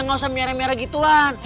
gak usah merah merah gituan